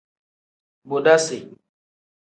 Bodasi.